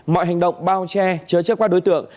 mọi hành động bao che chớ chết qua đối tượng